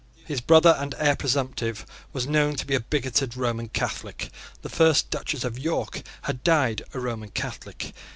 His brother and heir presumptive was known to be a bigoted Roman Catholic. The first Duchess of York had died a Roman Catholic.